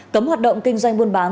cấm hoạt động kinh doanh buôn bán